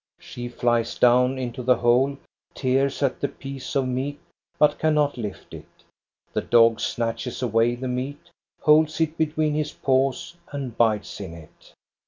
She flies down into the hole, tears at the piece of meat, but cannot lift it. The dog snatches away the meat, holds it between his paws, and bites in it.